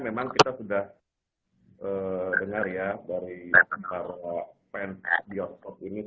memang kita sudah dengar ya dari para fans bioskop ini sudah terbuka dan kemudian dikutuk